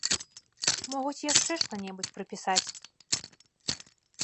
Могуць яшчэ што-небудзь прыпісаць.